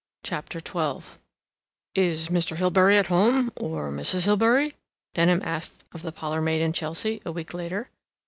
CHAPTER XII "Is Mr. Hilbery at home, or Mrs. Hilbery?" Denham asked, of the parlor maid in Chelsea, a week later.